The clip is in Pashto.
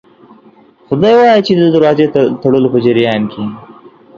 خو دی وايي چې د دروازې د تړلو په جریان کې